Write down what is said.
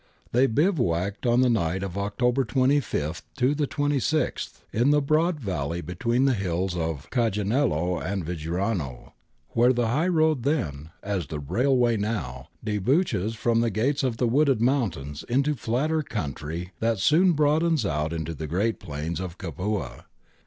* They bivouacked on the night of October 25 to 26 in the broad valley between the hills of Cajanello and Vajrano, where the high road then, as the railway now, debouches from the gates of the wooded mountains into the flatter country that soon broadens out into the great plains of Capua.